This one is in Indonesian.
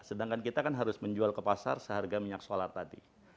sedangkan kita kan harus menjual ke pasar seharga minyak solar tadi